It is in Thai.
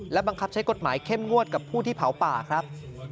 บังคับใช้กฎหมายเข้มงวดกับผู้ที่เผาป่าครับ